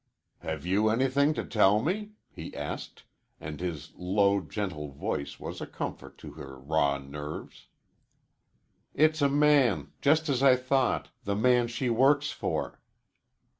"Have you anything to tell me?" he asked, and his low, gentle voice was a comfort to her raw nerves. "It's a man, just as I thought the man she works for."